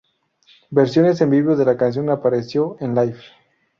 Versiones en vivo de la canción apareció en "Live!